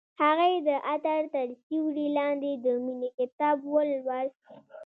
هغې د عطر تر سیوري لاندې د مینې کتاب ولوست.